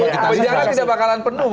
penjara tidak bakalan penuh